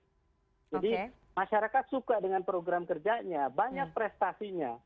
jadi masyarakat suka dengan program kerjanya banyak prestasinya